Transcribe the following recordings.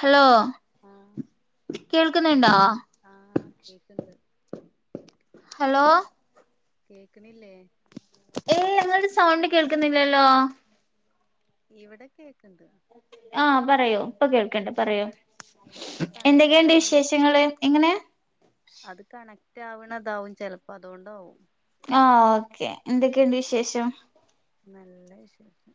Hello ആഹ് കേൾക്കിന്നിണ്ടോ ആഹ് കേക്ക്ണ്ട് ഹലോ കേക്കിണില്ലേ ഏയ് അങ്ങനൊരു സൗണ്ട് കേൾക്കിന്നില്ലല്ലോ ഇവടെ കേക്കിണ്ട് ആഹ് പറയു ഇപ്പം കേൾക്കിണ്ട് ആഹ് പറയു അത് കണക്റ്റ് എന്തൊക്കെയിണ്ട് വിശേഷങ്ങള് ആവ്ണതാവും എങ്ങനെ അത് കണക്റ്റാവിണതാവും ചെലപ്പോ അതോണ്ടാവും. ആഹ് ഓക്കേ എന്തൊക്കെയിണ്ട് വിശേഷം നല്ല വിശേഷം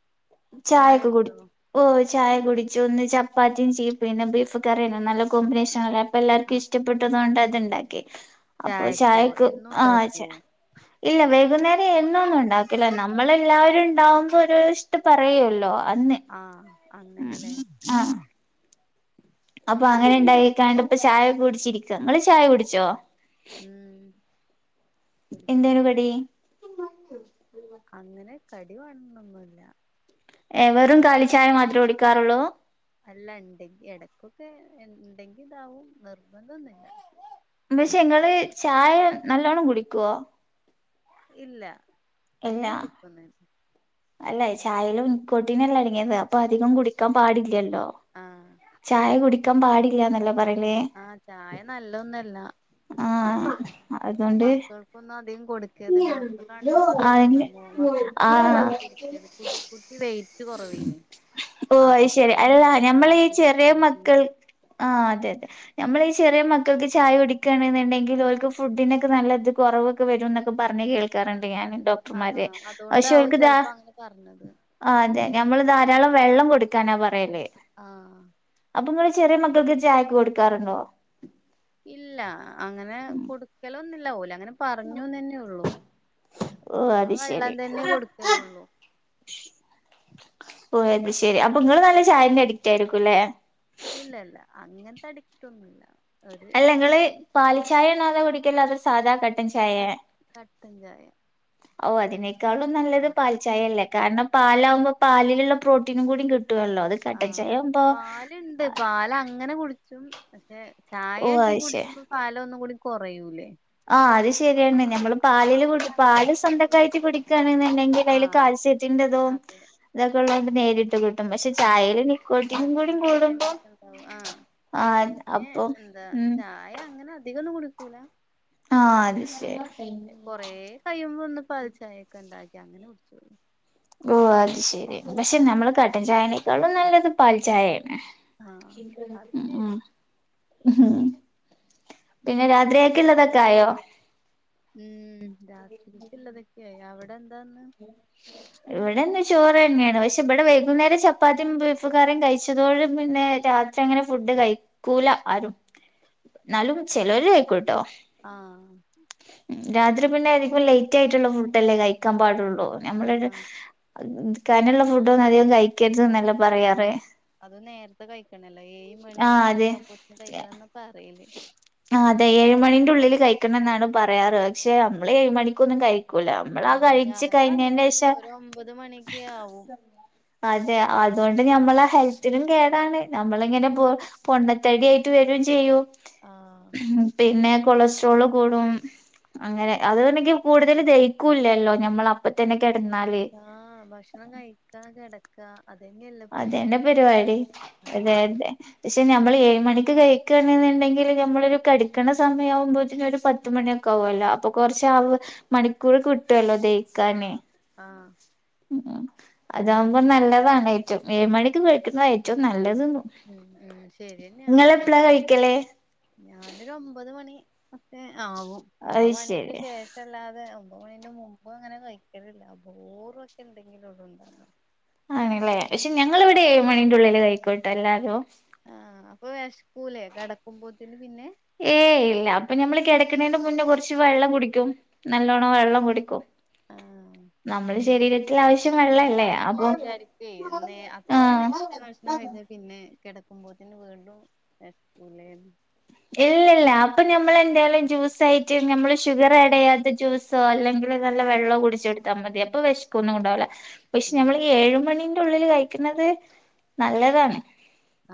ചായൊക്കെ കുടി ചായുടിച്ചോ ഓഹ് ചായ കുടിച്ചു ഇന്ന് ചപ്പാത്തിം ചീ പിന്നെ ബീഫ് കറിയെന്ന് നല്ല കോമ്പിനേഷനല്ലേ എല്ലർക്കും ആഹ് ഇഷ്ടപ്പെട്ടതോണ്ട് അത് ഇണ്ടാക്കി അപ്പൊ ചായക്കോ ചായക്ക് എന്നും ആഹ് ഉണ്ടാക്കോ ചാ ഇല്ല വൈകുന്നേരം എന്നൊന്നും ഇണ്ടാക്കില്ല നമ്മളെല്ലാവരും ഇണ്ടാവുമ്പോ ഒരു ട്ട് പറയൊല്ലോ അന്ന് ആഹ് ഉം അങ്ങനെല്ലേ ആഹ് അപ്പം അങ്ങനെ ഇണ്ടായിക്കാണ്ട് ഇപ്പ ചായകെ കുടിച്ചിരിക്ക ഇങ്ങള് ചായ കുടിച്ചോ ഉം കുടിച്ചു കടീ അങ്ങനെ കടി വേണനൊന്നുല്ല ഏഹ് വെറും കാലിച്ചായ മാത്രം കുടിക്കാറൊള്ളൂ അല്ല ഇണ്ടെങ്കി എടക്കൊക്കെ ഇണ്ടങ്കി ഇണ്ടാവും നിർബന്ധം ഒന്നുല്ല പക്ഷെ ഇങ്ങള് ചായ നല്ലവണ്ണം കുടിക്കോ ഇല്ല ഇല്ല അങ്ങനെ കുടിക്കോന്നി അല്ല ചായേലും നികോടിൻ എല്ലാം അടങ്ങിയതാ അപ്പം അധികം കുടിക്കാൻ പാടില്ലല്ലോ ആഹ് ചായ കുടിക്കാൻ പാടില്ലാന്നല്ല പറയ് ആഹ് ചായ നല്ലൊന്നല്ല ആഹ് അതുകൊണ്ട് മക്കൾക്കൊന്നും അധികം കൊടുക്കരുത് ഡോക്ടറെ കാണിച്ചപ്പ ആഹ് അതാ പറഞ്ഞത് മക്ക ഒന്നും ആഹ് വല്ലാതെ കൊടുക്കരുത് കു കുട്ടി വെയിറ്റ് കൊറ വെയ്നി ഓഹ് അയ് ശെരി അല്ല ഞമ്മളീ ചെറിയ കൊടുക്കരുത് മക്കൾ ആഹ് അതെ അതെ ഞമ്മള് ഈ ചെറിയ മക്കൾക്ക് ചായ കുടിക്കാണ് നിണ്ടെങ്കില് ഓൾക്ക് ഫുഡിന്റെക്കെ നല്ലത് കൊറവ് ക്ക് വരും എന്നൊക്കെ പറഞ്ഞെ കേൾക്കാറിണ്ട് ഞാൻ ആഹ് ഡോക്ടർമാര് പക്ഷെ അതുകൊണ്ടാവും ഓൽക്ക് ഇതാ ചെലപ്പോ അങ്ങനെ പറഞ്ഞത് ആഹ് അതെ ഞമ്മള് ധാരാളം വെള്ളം കൊട്ക്കാനാ പറയല് ആഹ് അപ്പം ഇങ്ങള് ചെറിയ മക്കൾക്ക് ചായൊക്കെ കൊടുക്കാറുണ്ടോ ഇല്ലാ അങ്ങനെ കൊടുക്കലൊന്നുല്ല ഓലങ്ങനെ പറഞ്ഞു നന്നേ ഒള്ളു ഓ ഞാൻ അത് വെള്ളം തന്നെ കൊട്ക്കലോള്ളൂ ഓഹ് അത് ശെരി അപ്പം ഇങ്ങള് നല്ല ചായന്റെ അഡിക്റ്റ് ആയിരിക്കുംല്ലെ ഇല്ല ഇല്ല അങ്ങൻത്തെ അഡിക്റ്റൊന്നുല്ല അല്ല ഇങ്ങള് പാൽ ചായാണോ അതൊ കുടിക്കല് അതൊ സാദാ കട്ടൻ ചായെ കട്ടൻ ചായ ഓഹ് അതിനേക്കാളും നല്ലത് പാൽചായല്ലേ കാരണം പാലാവുമ്പോ പാലിലുള്ള പ്രോട്ടീനും കൂടി കിട്ടുവല്ലോ അത് കട്ടൻ ആഹ് ചായാവുമ്പോ പാലുണ്ട് പാ പാല് അങ്ങനെ കുടിച്ചും പക്ഷെ ഓ ചായ ആക്കി അത് ശെ കുടിച്ചുമ്പം പാല് ഒന്നും കൂടി കുറയൂലേ ആ അത് ശരിയാണ് ഞമ്മള് പാലില് കു അങ്ങനെ പാല് കുടിക്കും സ്വന്തക്കായിട്ട് കുടിക്കണെന്നുണ്ടെങ്കിൽ അതില് ആഹ് കാഴസ്യത്തിന്റെ ഇതും അതെ ഇതൊക്കെള്ളൊണ്ട് നേരിട്ട് കി ട്ടും പക്ഷേ ആഹ് ചായെൽ നിക്കോട്ടിനും കൂടി കാൽസ്യം കൂടുമ്പോ വൈറ്റമിനൊക്കെ ഉണ്ടാവും ആഹ് ആഹ് പിന്നെ അപ്പൊ എന്താ ഉം ചായ അങ്ങനെ അധികം ഒന്നും കുടിക്കൂല ആഹ് അത് ശരി കൊറെ കയിയുമ്പോ ഒന്ന് പൽച്ചായൊക്കെ ഉണ്ടാക്കി അങ്ങനെ കുടിച്ചെള്ളു ഓഹ് അത് ശെരി പക്ഷെ നമ്മള് കട്ടൻ ചായനേക്കാളും നല്ലത് പാൽ ചായയാണ് ആഹ് അത് ഉം ഉം ശരിയാ പിന്നെ രാത്രിയക്കെള്ളതൊക്കെ ആയോ ഉം രാത്രികക്ക് ഉള്ളതൊക്കെയായി അവിടെ എന്താന്ന് ഇവിടെന്ന് ചോറ് തന്നെയാണ് പക്ഷെ ഇവിടെ വൈകുന്നേരം ചപ്പാത്തിയും ബീഫ് കറിം കഴിച്ചതോണ്ട് പിന്നെ രാത്രി [unintelligible] അങ്ങനെ ഫുഡ് കഴിക്കൂല ആരും എന്നാലും ചിലര് കഴിക്കൂട്ടോ ആഹ് രാത്രി പിന്നെ ആയിരിക്കും ലേറ്റ് ആയിട്ടുള്ള ഫുഡ് അല്ലേ കഴിക്കാൻ പാടുള്ളൂ ആഹ് നമ്മളൊരു ആഹ് കനംഉള്ള ഫുഡ് ഒന്നും അധികം കഴിക്കരുത് നല്ല അതെ ഉം പറയാറ് അത് നേരത്തെ കഴിക്കണല്ലോ ഏഴ് മണി ആഹ് അതെ ആകുമ്പോത്ത്ന് കഴിക്കണം എന്നാ പറയില് ആ അതെ ഏഴുമണിന്റെ ഉള്ളിൽ കഴിക്കണം എന്നാണ് പറയാറ് പക്ഷെ നമ്മള് ഏഴ് മണിക്കൊന്നും കഴിക്കൂല നമ്മളാ ആഹ് കഴിച്ചു ഞാനും അങ്ങനെ കഴിഞ്ഞന്റെ തന്നെ ശേഷം ഒരു ഒമ്പത് മണിയൊക്കെ ആവും അതെ അതുകൊണ്ട് ഞമ്മളെ ഹെൽത്തിനും കേടാണ് ഞമ്മള് ഇങ്ങനെ ആഹ് പോ പൊണ്ണത്തടി ആയിട്ട് വരയും ചെയ്യൂ ആഹ് പിന്നെ കൊളസ്ട്രോള് കൂടും അങ്ങനെ അത്ണ്ടെങ്കി കൂടുതൽ ദഹിക്കൂല്ലല്ലോ ഞമ്മൾ അപ്പത്തന്നെ കിടന്നാല്.. ആഹ ഭക്ഷണം കഴിക്കാൻ കിടക്ക അതങ്ങെയല്ല അതെന്റെ പരിപാടി അതെ അതെ പക്ഷെ നമ്മൾ ഏഴ് മണിക്ക് കഴിക്കുകയാണെന്നുണ്ടെങ്കിൽ നമ്മൾള് എഴ് മണിക്ക് കഴിക്കണ് ഉണ്ടെങ്കില് നമ്മള് കട്ക്ണ സമയ ആവുമ്പോത്തനന് ഒരു പത്ത് മണിയ ല്ലോ അപ്പൊ കുറച്ച് ആ് മണിക്കൂർ കിട്ടുവല്ലോ തെദേ ആഹ ആഹ ഉ അതാവുമ്പോ നല്ലതാണ് ഏറ്റവും ഏഴ് മണിക്ക് കഴിക്കുന്നത് ഏറ്റവും നല്ലത്. ഉ ഉ ശരിന്നെയാണ് കഴിക്കല് ഞാനൊരു ഒമ്പത് മണി. മക്കേ ആവും അത് ഒമ്പത് മണിക്ക് ശരി ശേഷം.. പക്ഷല്ലാതെ ഒമ്പത് മണിന്റെ മുമ്പ് അങ്ങനെ കഴിക്കലില്ല ബോറുംക്കെ ഉണ്ടെങ്കിലും ഇവിണ്ടാകോ ആണല്ലേ പക്ഷെ ഞങ്ങളിവിടെ എഴ് മണിക്ക് ഉള്ളില് കഴിക്കോട്ടോ എല്ലാരോ ആഹ അപ്പൊ വിഷക്കൂലേ കിടക്കുമ്പോത്തിന് പിന്നെ ഏയ് ഇല്ല അപ്പൊ ഞമ്മള് കിടക്കണന്റെ മുന്നേ കുറച്ച് വെള്ളം കുടിക്കും നല്ലോണ്ണം വെള്ളം കുടിക്കും. ആഹ് [inaudible] നമ്മുടെ ശരീരത്തിൽ ആവശ്യം വെള്ളല്ലേ അപ്പൊ ഞാനിങ്ങനെ വിചാരിക്കേ ഇന്ന് അത്രയും ആഹ നേരത്തെ ഭക്ഷണം കഴിച്ചാ പിന്നെ കിടക്കുമ്പോ തിന്ന് വീണ്ടും വസ്കൂലെ. ഇല്ലല്ല അപ്പൊ ഞമ്മൾ എന്തായാലും ജ്യൂസ് ആയിട്ട് നമ്മള് ഷുഗർ ആഡ ചെയ്യാത്ത ജ്യൂസ്. സേ അല്ലെങ്കിൽ നല്ല വെള്ളമോ കുടിച്ച് എടുത്താൽ മതി അപ്പൊ വിശപ് ഒന്നും കൊണ്ടാവകില്ല. പക്ഷെ ഉം നമ്മൾ ഏഴ് മണീന്റെ ഉള്ളിൽ കഴിക്കുന്നത് നല്ലതാണ്.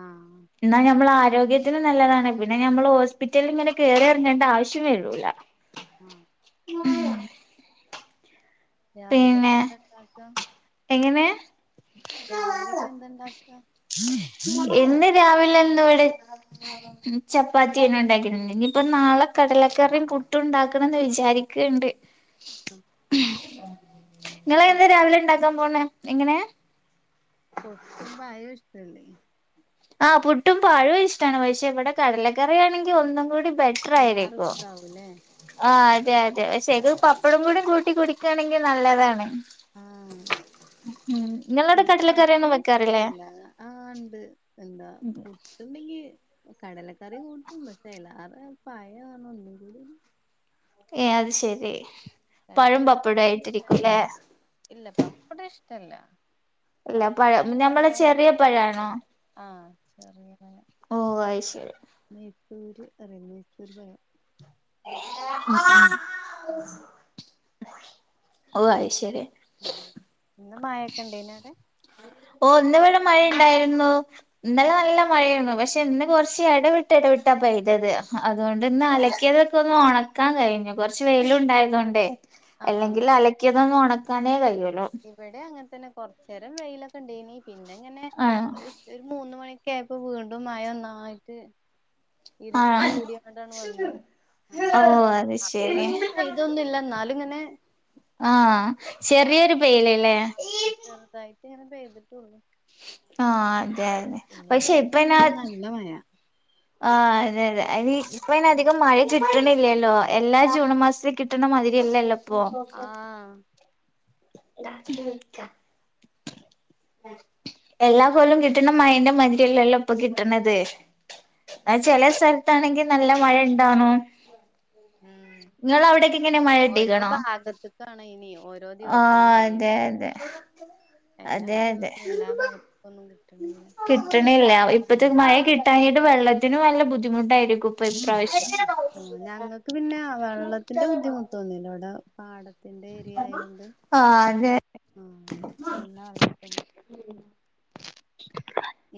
ആഹ് എന്നാൽ നമ്മൾ ആരോഗ്യത്തിനന് നല്ലതാണ്. പിന്നെ ഞമ്മൾ ഹോസ്പിറ്റല്. ഇങ്ങനെ കേയറി ഇറങ്ങേണ്ട ആവശ്യമേ വരൂല ആഹ് ഉം രാവിലെകെ പിന്നെ എന്താടക. എങ്ങനെ രാവിലെയൊക്കെ എന്തണ്ടാക്ക. ഇന്ന് രാവിലെ എന്നാ ഇവിടെ ചപ്പാത്തി തന്നെ ഉണ്ടാക്കിട്ടുണ്ട് ഇനിയിപ്പ നാളെ കടലക്കറിയും പുട്ടും ഉണ്ടാക്കണമെന്ന് വിചാരിക്കണ്ട്. [inaudible] [inaudible] നിങ്ങളെ എന്താ പുട്ടും രാവിലെ ഉണ്ടാക്കാൻ പോവുന്നേ എങ്ങനെയാ. പുട്ടും പഴവും ഇഷ്‌ടമല്ലേ ആ പുട്ടും പഴവും ഇഷ്ടമാണ്. പക്ഷെ ഇവിടെ കടലക്കറി ആണെങ്കിൽ ഒന്നും കൂടെ [inaudible] അയിലാറെ ബട്ടറയിരികും. ഇഷ്ടാവൂല്ലേ ആ അതെ അതെ പക്ഷെ ഇത് പപ്പടം കൂടി കൂട്ടി കൊടുക്കുകയാണെങ്കിൽ നല്ലതാണ്. ആ ഉം നിങ്ങളവിടെ ഇപ്പ കടലക്കറിയൊന്നും പപ്പടം വെക്കാറില്ലേ ഇഷ്ടമല്ല. ആ ഉണ്ട് എന്താ പുട്ടണ്ടെങ്കിൽ. കടലക്കറി കൂട്ടും പക്ഷെ അല്ലാതെ പഴം ആണ് ഉണ്ടെങ്കിൽ. ഏ അത് ശരി പഴം രണ്ടും പപ്പടം കൊഴപ്പൊന്നുല്ല ആയിട്ടിരിക്കുമല്ലേ ഇല്ല പപ്പടം ഇഷ്ടമല്ല അല്ല പപ്പടം പഴം അങ്ങനെ നമ്മളെ വല്ലാതെ ചെറിയ പഴാണോ കഴിക്കുന്നില്ല. ആഹ് ചെറിയത് ഓ അത് ശരി മെയ്സൂര് എറിയ മെയസൂര് പഴം റയാം ഓഹ് അയ്ശരി ഇന്ന് മഴയൊക്കെ ഉണ്ട ഇന്ന് അവിടെ ഓ ഇ ന്ന് ഇവിടെ മഴ ഉണ്ടായിരുന്നു. ഇന്നലെ നല്ല മഴേന്നു പക്ഷെ ഇന്ന് കൊർച്ച് എടവിട്ട എടവിട്ടാ പെയ്തത് അതുകൊണ്ട് ഇന്ന് അലക്കിയത് ഒന്ന് ഒണക്കാൻ കയ്ഞ്ഞു കൊർച്ച് വെയിലും ഇണ്ടായതോണ്ടേ ആഹ് എല്ലെങ്കില് അലക്ക്യതൊന്നും ഒണക്കാനേ കഴിയൂല്ല. ഇവടെ അങ്ങൻ തന്നെ കൊർച്ചേ രം വെയിലൊക്കെ ഇണ്ടെനി പിന്നെ ഇങ്ങനെ ആഹ് ഉ ഒരു മൂന്നുമണിയൊക്കെ ആയപ്പോ വീണ്ടും മഴ ഒന്നായ്ട്ട് ഇര്ണ്ട് ആഹ് കൂടിയങ്ങണ്ടാണ്ട് വന്നു അങ്ങെ ഓ അത് അത്ര ശരി ഇതില് പെയ്തൊന്നുല്ല എന്നാലും ഇത്ങ്ങനെ ആ ചെറ്യരു പെയ്യ ല്ല്ലേ. ചെർതായിട്ട് ഇങ്ങനെ പെയ്തിട്ടൊള്ളൂ. ആഹ് അതെ അതെ ഇനിയും പക്ഷെ വര്ന്ന്ണ്ട് നല്ല മയാ. ആ അതെ അതെ അയ്ന് ഇപ്പ അധികം മഴ കിട്ട്ണില്ലല്ലോ എല്ലാ ജൂൺ മാസത്തി കിട്ട്ണമാതിരിയല്ലല്ലോ ആഹ്. രാത്രി വിളിക്കാ. എല്ലാ കൊല്ലം കിട്ട്ണ മഴന്റെ മതിരില്ലല്ലോ ഇപ്പൊ കിട്ട്ണത്. അ ചെലെ അത് സ്ഥലത്താണെങ്കിനല്ല മഴ ഇണ്ടാണും. ഉം ഇങ്ങളെ അവ്ടെക്കെ എങ്ങനെ മഴ കിട്ടി ക്ക്‌ണോ? താണ് ഇനി ഒ ഓരോ ദിവസം അതെ മഴയായിരിക്കും അതെ എല്ലാ ദിവസവും എല്ലാ ഭാഗത്തൊന്നും കിട്ട്ണില്ല ഇപ്പത്തെ മഴ കി ട്ടാഞ്ഞിട്ട് വെള്ളത്തിന് നല്ല ബുദ്ധിമുട്ടായിരിക്കും ഇപ്പ ഈ പ്രാവശ്യം. ആ ഞങ്ങക്ക് പിന്നെ വെള്ളത്തിന്റെ ബുദ്ധിമുട്ടൊന്നുമില്ല ഇവിടെ പാടത്ത് ത്തിൻ്റെ ഏരിയ ആയൊണ്ട് ആഹ് അതെ ആ നല്ല വെള്ളക്ക്ണ്ട്.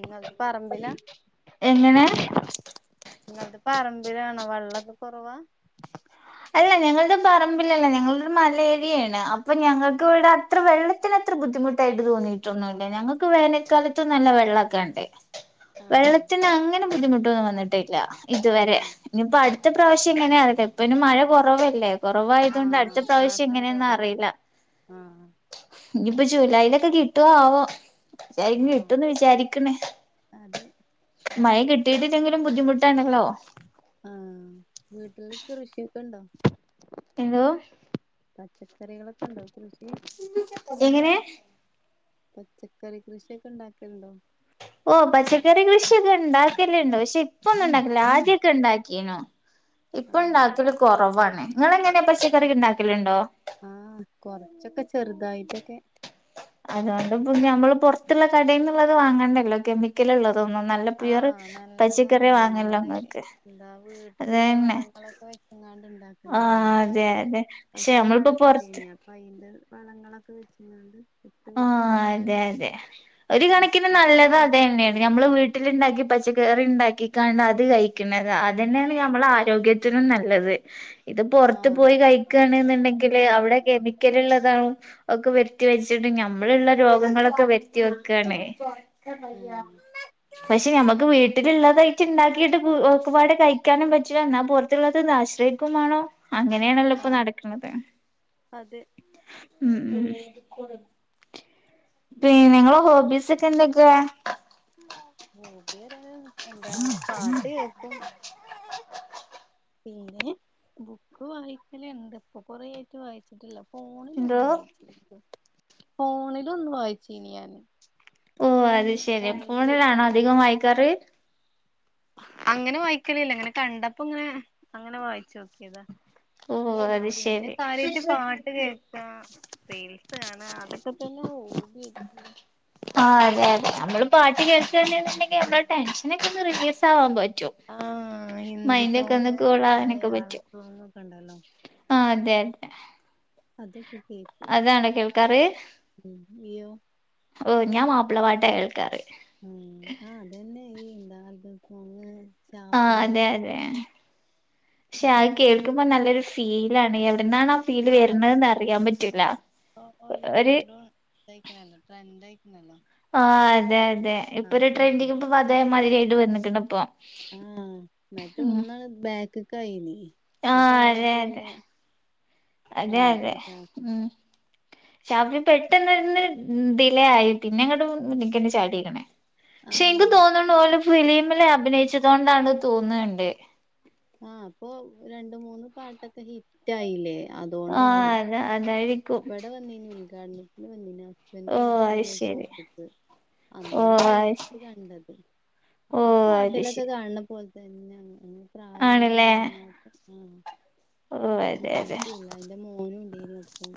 ഇങ്ങൾത് പറമ്പിലാ? [inaudible] എങ്ങനെ? നിങ്ങൾതെ പറമ്പിലാണോ വെള്ളൊക്കെ കൊറവാ? അല്ല ഞങ്ങൾതെ പറമ്പിലല്ല ഞങ്ങൾതൊരു മലേര്യണ് അപ്പൊ ഞങ്ങക്ക് ഇവടെ ത്ര വെള്ളത്തിന് അത്ര ബുദ്ധിമുട്ടായിട്ട് തോന്നിട്ടൊന്നുമില്ല ഞങ്ങക്ക് വേനൽക്കാലത്തും നല്ല വെള്ളക്കെണ്ട്. ആഹ് വെള്ളത്തിന് അങ്ങനെ ബുദ്ധിമുട്ടൊന്നും വന്നിട്ടില്ല ഇതുവരെ ഇനിയിപ്പോ അട് ത്ത പ്രാവശ്യം എങ്ങനെ അറീല്ല ഇപ്പ പിന്നെ മഴ കൊറവല്ലേ. കൊറവായതൊണ്ട് ആഹ് അട്ത്ത പ്രാവശ്യം ഇപ്രാവശ്യം എങ്ങനെന്ന് അറീല്ല. കൊറവുണ്ട്. ആഹ് ഇനിയിപ്പോ ജൂലൈലൊക്കെ കിട്ടോ ആവോ ആഹ് കിട്ടുമന്ന് വിചാരിക്ക്ണ്. അതെ. മഴ കിട്ടിട്ടില്ലെങ്കിലും ബുദ്ധിമുട്ടാണല്ലോ. ആഹ് ‌വീട്ടില് കൃഷിയൊക്കെ ഇണ്ടോ? എതോ? പച്ചക്കറികളൊക്കെ ഇണ്ടോ കൃഷി? എങ്ങനെ പച്ചക്കറി കൃഷിയൊക്കെ ഇണ്ടാക്കേണ്ടോ? ഓ പച്ചക്കറി കൃഷിയൊക്കെ ഇണ്ടാക്കല്ണ്ട് പക്ഷെ ഇപ്പൊന്നും ഉണ്ടാക്കല്ല ആദ്യൊക്കെ ഇണ്ടാക്കീനു. ഇപ്പ ആഹ് ഇണ്ടാക്കല് കൊറവാണ് നിങ്ങളെങ്ങനെ പച്ചക്കറിക്കെ ഇണ്ടാക്കല്ണ്ടോ? ആഹ് കൊർച്ചൊക്കെ ചെർതായിട്ടൊക്കെ. അതോണ്ട്പ്പം ഞമ്മള് പൊർത്ത്ള്ള കടേന്നുള്ളത് വാങ്ങണ്ടല്ലോ കെമി കെമിക്കലുള്ളതൊന്നും നല്ല പ്യൂർ ആഹ് പച്ചക്കറി നല്ലതാണ് നമ്മളെ വാങ്ങല്ലോങ്ങക്ക് എന്താ വീട്ടിലില്ല അത്തന്നെ. വളങ്ങളൊക്കെ വെച്ചങ്ങാണ്ട് ഇണ്ടാക്കണതല്ലേ ആഹ് അതെ അതെ പക്ഷെ നമ്മൾപ്പോ പൊർത്ത് അപ്പ അയ്ന്റെ വളങ്ങളൊക്കെ വെച്ചിങ്ങാണ്ട് ആഹ് അതെ അതെ ഒര് കണക്കിന് ഇപ്പ നല്ലത് അതൊന്നുല്ല അതന്നെയാണ് നമ്മൾ വീ വീട്ടില് ഉണ്ടാക്കി പച്ചക്കറി ഉണ്ടാക്കി ക അത് കഴിക്കുന്നത് അത് തന്നെയാണ് നമ്മുടെ ആരോഗ്യ ത്തിനും നല്ലത്. ഇത് പുറത്ത് ആഹ് പോയി ആഹ് കഴിക്കുണ്ന്നുണ്ടെങ്കിൽ അവിടെ കെമിക്കൽ ഉള്ളതും ഒക്കെ വരുത്തി വെ ച്ട്ട് നമ്മള് ഉള്ള രോഗങ്ങളൊക്കെ വെരുത്തി വെക്കാണ്. പക്ഷെ ഞമ്മക്ക് വീട്ടിലുള്ളത് ച്ച് ഉണ്ടാക്കിയിട്ട് ഒക്കപാടെ കഴിക്കാനും പറ്റില്ല. എന്നാ പുറത്തുള്ളത് ആശ്രയിക്കുമാണം. അങ്ങനെയണല്ലോ ഇപ്പൊ ആഹ് നടക്കുന്നത്. അതെ മ്മ് പിന്ന നിങ്ങളെ ഹോബീസ് ഒക്കെ എന്തൊക്കെ? ഹോബി പറയാൻ എന്താ പാട്ട് കേൾക്കും. പിന്നെ ബുക്ക് വായിക്കല് ഇണ്ട്. ഇപ്പൊ കൊറ ആയിട്ട് വായി ക്കല്ല ഫോണില് ഒന്ന് എന്തോ വായിച്ച് ഫോണില് ഒന്ന് വായിച്ചിന് ഞാന്. ഓഹ് അത് ശരി ബുക്ക് ഫോണിലാണോ അധികം വായിക്കാറ്. അങ്ങനെ വായിക്കലില്ല. ഇങ്ങനെ കണ്ടപ്പോ ഇങ്ങനെ അങ്ങനെ വായിച്ചു നോക്കിയതാ. ഓ അത് പിന്നെ ശെരി കാരൃയിട്ട് പാട്ട് കേക്കും. റീൽസ് കാണാ അതൊക്കെ തന്നെ ഹോബി ആ അതെ അതെ നമ്മള് പാട്ട് കേൾകണ്ണ്ടെങ്കിൽ നമ്മളടെ ടെൻഷൻ ഒക്കെ ഒന്ന് റിലീസ് ആവാൻ പറ്റും. ആഹ് ഹിന്ദി മൈൻഡ് ഒക്കെ സോങ്, ഒന്ന് മലയാള സോങ്, ഒക്കെ ഉണ്ടല്ലോ. ആഹ് അതെ അതെ അതൊക്കെ കേള്ക്കുംമ്മ് അതാണോ കേൾക്കാറ് നിയ്യോ? ഓഹ് ഞാൻ മാപ്പിളപ്പാട്ടാ കേൾക്കാറ്. ആഹ് അതന്നെ ഈ എന്താ ദിവസങ് ആഹ് അതെ അതെ, പക്ഷെ അത് അതൊക്കെ കേക്കും കേൾക്കുമ്പോ നല്ലൊരു ഫി ഫീൽ ആണ് എവിടന്നാണ് ആ ഫീല് വരുന്നതെന്ന് അറിയാൻ പറ്റൂല്ല. ഇപ്പൊ ല വീണ്ടും ഇതായിക്ണല്ലോ ട്രെൻഡയിക്കണല്ലോ. ആഹ് അതെ അതെ ഇപ്പൊ ഒരു ട്രെൻറ്റിംഗ് ഇപ്പോ അതേ മതിരായിട്ട് വന്നിക്ക്ണ് ഇപ്പൊ ആഹ് മറ്റേ ഒന്ന് ബാക്കിക്ക്ആയിനി ആഹ് അതെ അതെ അതെ അതെ വന്നിക്ക്ണ് ഷാഫി മ്മ് ഷാഫി പെട്ടെന്ന്ന്ന് ഡിലേ ആയി പിന്നെ അങ്ങോട്ടും മുന്നിക് തന്നെ ചാടിക്ക്ണ് ക്ഷെ എനിക്ക് ആഹ് തോന്ന്ണ് ഓല് ഫിലിമില് അഭിനയിച്ചത് കൊണ്ടാണ് തോന്ന്ണ്ട്. ആഹ് ഇപ്പൊ രണ്ട് മൂന്ന് പാട്ടൊക്കെ ഹിറ്റ് ആയില്ലേ. ആഹ് അതുകൊണ്ടാവും അതെ അതെ ഇവിടെ വന്നീനു ഉദ്ഘാടനത്തിന് വന്നീനാ ഹസ്ബൻഡറ് ഓ വർക്ക് അത് ചെയ്യണ ശരി ഷോപ്പ്ക്ക് ഓ അന്നാണ് അത് നേരിട്ട് ശരി കണ്ടത്. ഓ അത് അപ്പാട്ടിലൊക്കെ ശരി കാണപോല് തെന്ന പ്രായോന്നും ആണല്ലേ തോന്നാത്ത ആഹ് ഓ ഒരു അതെ അതെ മാറ്റുല്ല അതിന്റെ മോനുണ്ടയിന് ഒപ്പം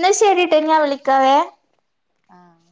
ന്നാ ശരിട്ടോ ഞാൻ വിളിക്കാവേ ആഹ്